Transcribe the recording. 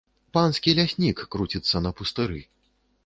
Панскі ляснік круціцца на пустыры.